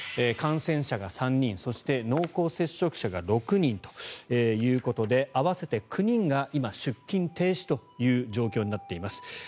感染者が３人、そして濃厚接触者が６人ということで合わせて９人が今、出勤停止という状況になっています。